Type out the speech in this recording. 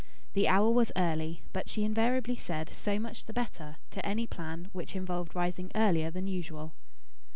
The hour was early, but she invariably said "So much the better" to any plan which involved rising earlier than usual.